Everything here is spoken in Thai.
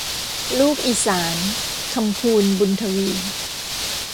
ลูกอีสาน - คำพูน บุญทวี